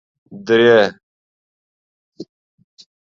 درې